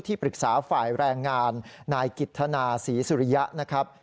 ปรึกษาฝ่ายแรงงานนายกิจธนาศรีสุริยะนะครับ